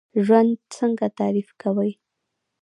ژوند څنګه تعریف کوئ؟